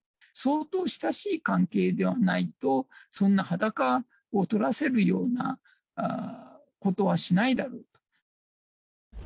相当親しい関係ではないと、そんな裸を撮らせるようなことはしないだろう。